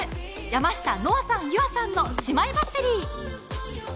山下乃愛さん・結愛さんの姉妹バッテリー。